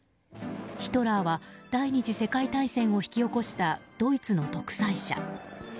ヒトラーは第２次世界大戦を引き起こしたドイツの独裁者。